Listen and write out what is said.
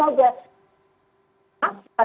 yang lebih besar